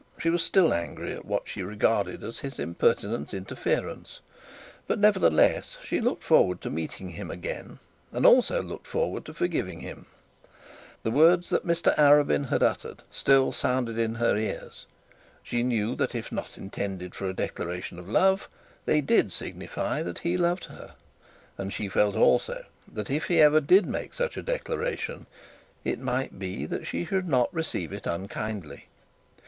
She was still angry at what she regarded as his impertinent interference; but nevertheless she looked forward to meeting him again; and also looked forward to forgiving him. The words that Mr Arabin had uttered still sounded in her ears. She knew that if not intended for a declaration of love, they did signify that he loved her; and she felt also that if he ever did make such a declaration, it might be that she should not receive it unkindly.